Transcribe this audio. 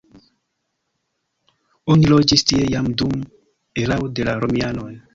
Oni loĝis tie jam dum erao de la romianoj.